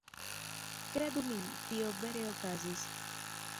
Kredu min, tio vere okazis.